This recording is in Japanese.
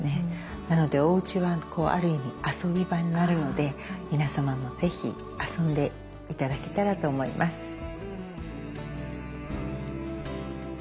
なのでおうちはある意味遊び場になるので皆様も是非遊んで頂けたらと思います。